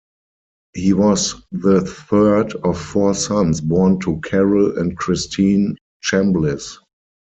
He was the third of four sons born to Carroll and Christene Chambliss.